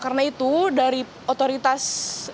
karena itu dari otoritas